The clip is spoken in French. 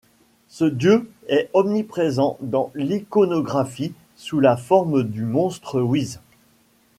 Ce dieu est omniprésent dans l'iconographie sous la forme du monstre Witz.